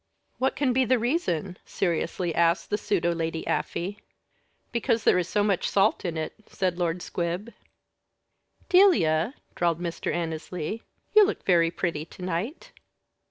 "What can be the reason?" seriously asked the pseudo Lady Afy. "Because there is so much salt in it," said Lord Squib. "Delia," drawled Mr. Annesley, "you look very pretty to night!"